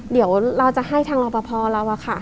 เดี๋ยวเราจะให้ทางรอปภเราอะค่ะ